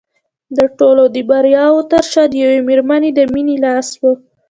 د ټولو د بریاوو تر شا د یوې مېرمنې د مینې لاس و